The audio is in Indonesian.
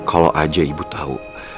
kalau aja ibu tau